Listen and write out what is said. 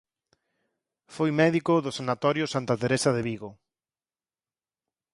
Foi médico do Sanatorio Santa Teresa de Vigo.